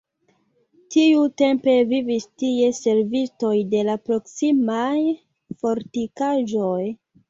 Tiutempe vivis tie servistoj de la proksimaj fortikaĵoj.